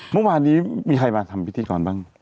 เมื่อวานนี้มีใครมาทำพิธีกรบ้าง